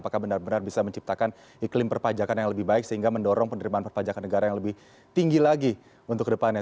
apakah benar benar bisa menciptakan iklim perpajakan yang lebih baik sehingga mendorong penerimaan perpajakan negara yang lebih tinggi lagi untuk kedepannya